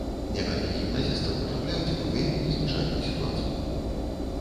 Некалькі гімназістаў трапляюць у вельмі незвычайную сітуацыю.